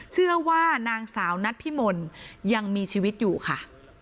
เชื่อว่านางสาวนัทพิมลยังมีชีวิตอยู่ค่ะ